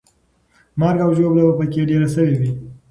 مرګ او ژوبله به پکې ډېره سوې وي.